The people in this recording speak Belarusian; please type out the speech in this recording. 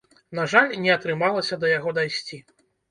На жаль, не атрымалася да яго дайсці.